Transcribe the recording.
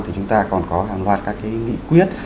thì chúng ta còn có hàng loạt các cái nghị quyết